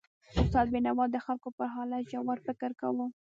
استاد بینوا د خلکو پر حالت ژور فکر کاوه.